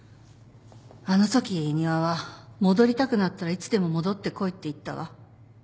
あのとき仁和は「戻りたくなったらいつでも戻ってこい」って言ったわ。